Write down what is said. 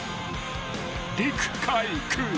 ［陸海空